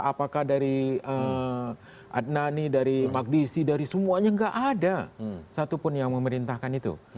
apakah dari adnani dari magdisi dari semuanya nggak ada satupun yang memerintahkan itu